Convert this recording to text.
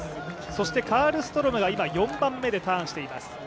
そして、カルストロームが今、４番目でターンしています。